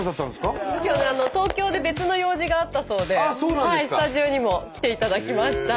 今日東京で別の用事があったそうでスタジオにも来ていただきました。